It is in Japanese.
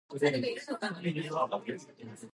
新宿で寝る人